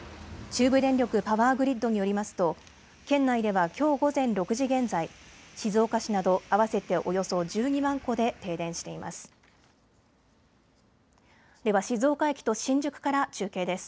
中部電力パワーグリッドによりますと県内ではきょう午前６時現在、静岡市など合わせておよそ１２万戸で停電しています。